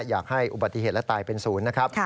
อยากให้อุบัติเหตุและตายเป็นศูนย์นะครับ